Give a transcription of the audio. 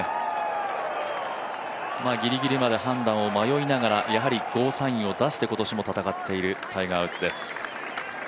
ギリギリまで判断を迷いながら、今年もゴーサインを出して戦っているタイガーです。